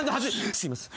すいません。